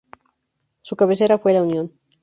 Su cabecera fue La Unión.